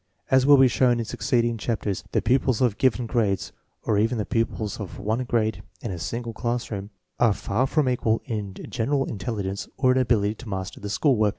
As will be shown in succeeding chapters, the pupils of given grades, or even the pupils of one grade in a single classroom, are far from equal in general intelligence or in ability to master the school work.